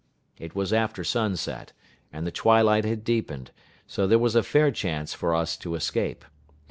It was after sunset, and the twilight had deepened, so that there was a fair chance for us to escape.